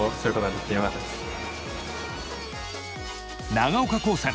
長岡高専